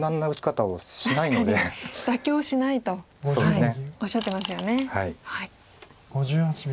妥協しないとおっしゃってますよね。